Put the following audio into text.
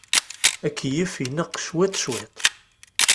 Akeyyef ineqq cwiṭ cwiṭ.